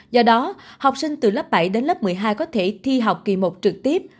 do đó học sinh từ lớp bảy đến lớp một mươi hai có thể thi học kỳ một trực tiếp